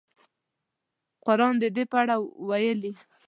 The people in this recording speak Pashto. قران د دې په اړه ویلي.